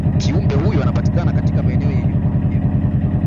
kiumbe huyo anapatikana katika maeneo yenye unyevunyevu